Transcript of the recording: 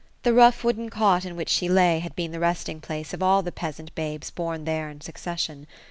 The rough wooden cot in which she lay, had been the resting place of all the peas ant babes bom there in succession.